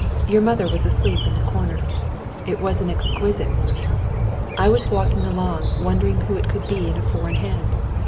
Your mother was asleep in the corner. It was an exquisite morning. I was walking along wondering who it could be in a four in hand?